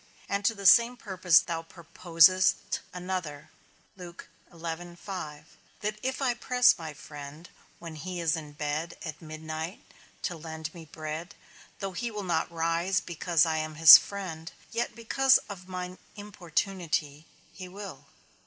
And to the same purpose thou proposest another, that if I press my friend, when he is in bed at midnight, to lend me bread, though he will not rise because I am his friend, yet because of mine importunity he will.